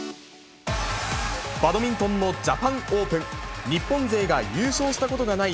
バドミントンのジャパンオープン、日本勢が優勝したことがない